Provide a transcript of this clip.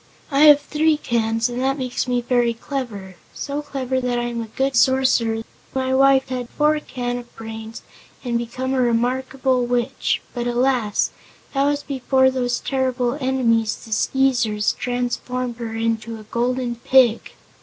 I have three cans and that makes me very clever so clever that I'm a good Sorcerer, if I do say it myself. My poor wife had four cans of brains and became a remarkable witch, but alas! that was before those terrible enemies, the Skeezers, transformed her into a Golden Pig."